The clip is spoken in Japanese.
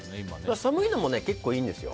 寒いのも結構いいんですよ。